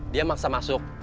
dia maksa masuk